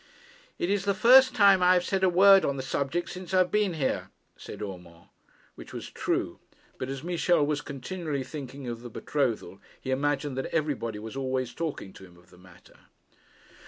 'It is the first time I have said a word on the subject since I've been here,' said Urmand. Which was true; but as Michel was continually thinking of the betrothal, he imagined that everybody was always talking to him of the matter.